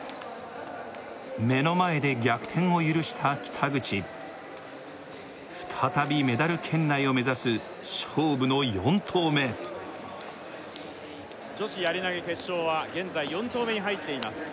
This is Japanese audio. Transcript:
目の前で逆転を許した北口再びメダル圏内を目指す勝負の４投目女子やり投決勝は現在４投目に入っています